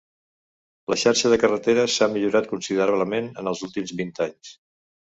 La xarxa de carreteres s'ha millorat considerablement en els últims vint anys.